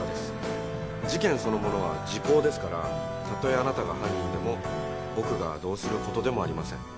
事件そのものは時効ですから例えあなたが犯人でも僕がどうする事でもありません。